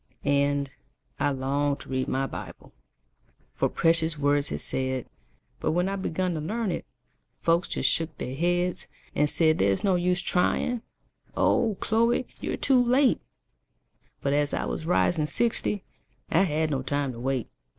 And, I longed to read my Bible, For precious words it said; But when I begun to learn it, Folks just shook their heads, And said there is no use trying, Oh! Chloe, you're too late; But as I was rising sixty, I had no time to wait.